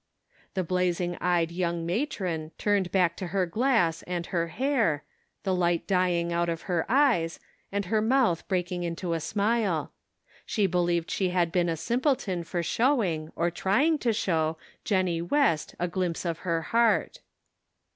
The blazing eyed young matron turned back to her glass and her hair, the light dying out of her eyes, and her mouth breaking into a smile ; she believed she had been a simpleton for showing, or trying to show, Jennie West a glimpse of her heart.